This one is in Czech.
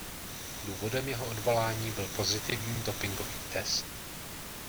Důvodem jeho odvolání byl pozitivní dopingový test.